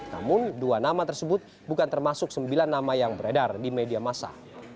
namun dua nama tersebut bukan termasuk sembilan nama yang beredar di media masa